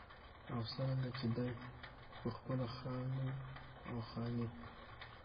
او څرنګه چې دى پخپله خان و او خاني